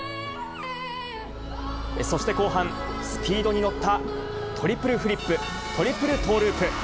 そして後半、スピードに乗ったトリプルフリップ、トリプルトーループ。